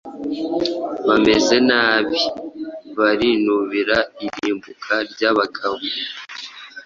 Bameze nabi-barinubira irimbuka ryabagabo-